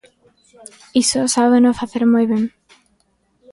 Iso sábeno facer moi ben.